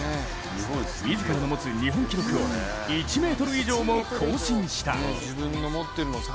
自らの持つ日本記録を１ｍ以上も更新した。